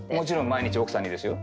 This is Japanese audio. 毎日奥さんにですよ。